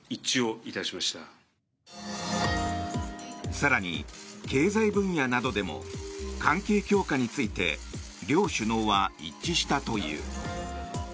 更に経済分野などでも関係強化について両首脳は一致したという。